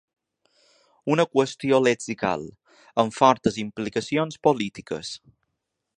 Una qüestió lexical, amb fortes implicacions polítiques.